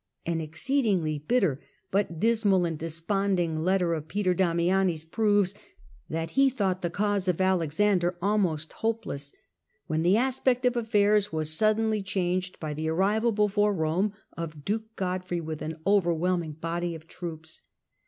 An exceedingly bitter, but dismal and desponding, letter of Peter Damiani's proves that he thought the cause of Alexander almost hopeless, when the aspect of afiairs was suddenly changed by the ar rival before Rome of duke Godfrey with an overwhelm ing body of troops.